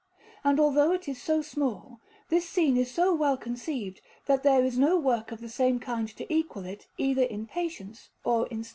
And although it is so small, this scene is so well conceived, that there is no work of the same kind to equal it either in patience or in study.